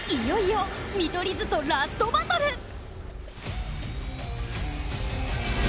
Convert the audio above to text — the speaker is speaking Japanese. いよいよ見取り図とラストバトル